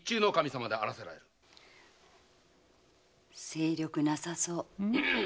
精力なさそう。